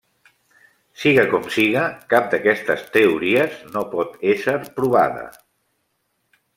Siga com siga, cap d'aquestes teories no pot ésser provada.